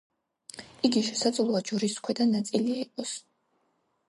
იგი შესაძლოა ჯვრის ქვედა ნაწილი იყოს.